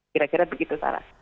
kira kira begitu sarah